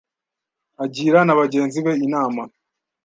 Agira na bagenzi be inama